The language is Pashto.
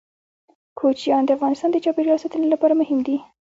کوچیان د افغانستان د چاپیریال ساتنې لپاره مهم دي.